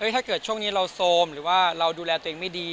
ถ้าเกิดช่วงนี้เราโซมหรือว่าเราดูแลตัวเองไม่ดี